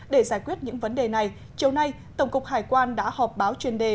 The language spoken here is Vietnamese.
để giải quyết những vấn đề này chiều nay tổng cục hải quan đã họp báo chuyên đề